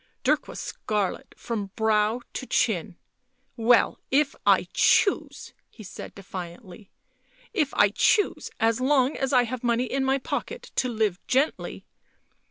Dirk was scarlet from brow to chin. " Well, if I choose," he said defiantly. " If I choose, as long as I have money in my pocket to live gently.